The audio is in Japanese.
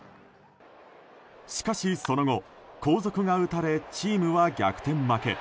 しかしその後、後続が打たれチームは逆転負け。